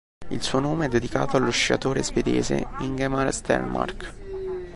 Il suo nome è dedicato allo sciatore svedese Ingemar Stenmark.